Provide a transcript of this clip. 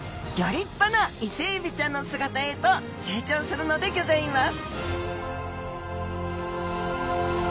立派なイセエビちゃんの姿へと成長するのでギョざいます